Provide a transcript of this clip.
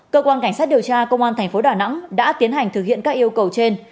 cơ quan cảnh sát điều tra công an thành phố đà nẵng đã tiến hành thực hiện các yêu cầu trên